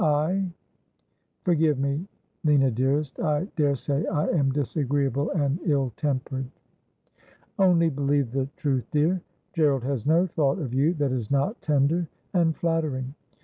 I Forgive me, Lina dearest. I daresay I am disagreeable and ill tempered.' ' Only believe the truth, dear. Gerald has no thought of you that is not tender and flattering.